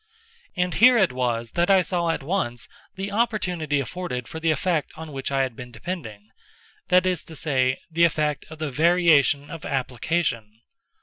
And here it was that I saw at once the opportunity afforded for the effect on which I had been depending—that is to say, the effect of the variation of application.